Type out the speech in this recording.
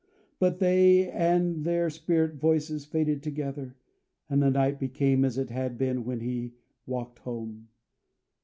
But they and their spirit voices faded together; and the night became as it had been when he walked home.